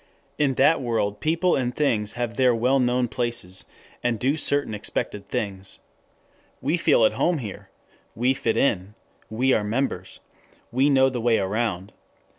In that world people and things have their well known places, and do certain expected things. We feel at home there. We fit in. We are members. We know the way around.